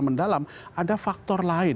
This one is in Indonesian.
mendalam ada faktor lain